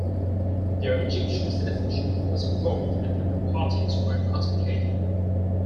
Their Egyptian citizenship was revoked and their properties were confiscated.